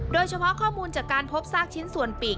โดยเฉพาะข้อมูลจากการพบซากชิ้นส่วนปีก